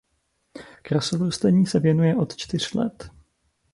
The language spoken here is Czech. Krasobruslení se věnuje od čtyř let.